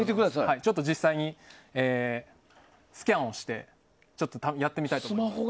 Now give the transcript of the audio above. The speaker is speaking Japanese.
実際にスキャンをしてやってみたいと思います。